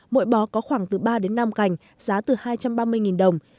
mỗi bó có khoảng từ ba đến năm cành giá từ hai trăm ba mươi đồng